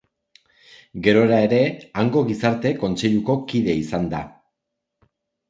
Gerora ere, hango gizarte kontseiluko kidea izan da.